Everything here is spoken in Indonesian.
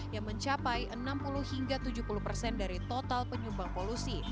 yang mencapai enam puluh hingga tujuh puluh persen dari total penyumbang polusi